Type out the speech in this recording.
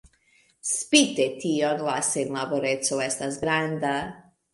Spite tion la senlaboreco estas granda.